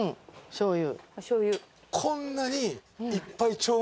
しょう油。